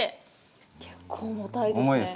結構、重たいですね。